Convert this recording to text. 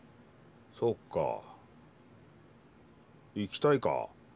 そうか行きたいか？